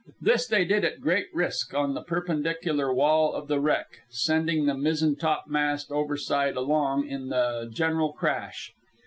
This they did at great risk on the perpendicular wall of the wreck, sending the mizzentopmast overside along in the general crash.